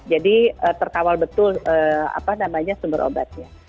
jadi terkawal betul apa namanya sumber obatnya